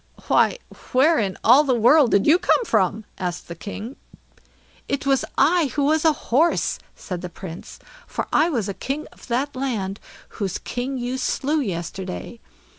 "Why, where in all the world did you come from?" asked the king. "It was I who was a horse", said the Prince; "for I was king of that land whose king you slew yesterday.